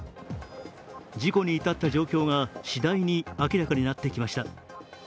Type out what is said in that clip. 事故に至った状況が次第に明らかになってきました。